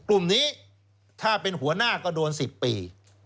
กลุ่มนี้ถ้าเป็นหัวหน้าก็โดน๑๐ปี